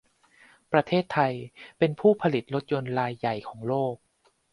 ประเทศไทยเป็นผู้ผลิตรถยนต์รายใหญ่ของโลก